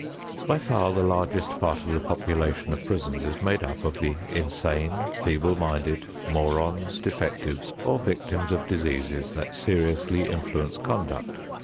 By far the largest part of the population of prisons is made up of the insane, feeble minded, morons, defectives or victims of diseases that seriously influence conduct.